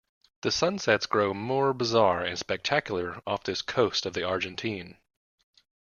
The sunsets grow more bizarre and spectacular off this coast of the Argentine.